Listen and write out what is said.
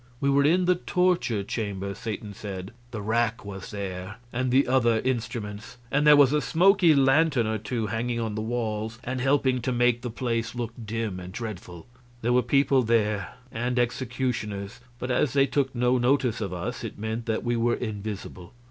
We were in the torture chamber, Satan said. The rack was there, and the other instruments, and there was a smoky lantern or two hanging on the walls and helping to make the place look dim and dreadful. There were people there and executioners but as they took no notice of us, it meant that we were invisible.